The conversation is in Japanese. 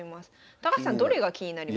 高橋さんどれが気になります？